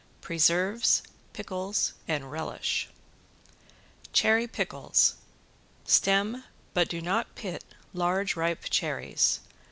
PRESERVES, PICKLES AND RELISH ~CHERRY PICKLES~ Stem, but do not pit, large ripe cherries.